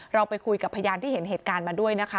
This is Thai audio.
เราไปคุยกับพยานที่เห็นเหตุการณ์มาด้วยนะคะ